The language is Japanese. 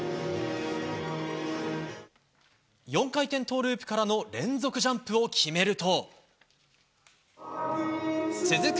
４回転トウループからの連続ジャンプを決めると続く